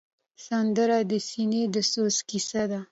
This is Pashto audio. سندره د سینې د سوز کیسه ده